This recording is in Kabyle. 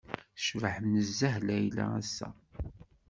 Tecbeḥ nezzeh Leïla ass-a!